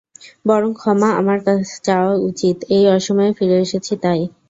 বরং ক্ষমা আমার চাওয়া উচিৎ, এই অসময়ে ফিরে এসেছি, তাই।